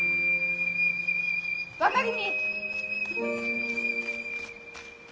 若君！